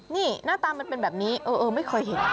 นี่หน้าตามันเป็นแบบนี้เออไม่เคยเห็น